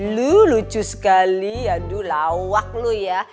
lu lucu sekali aduh lawak lu ya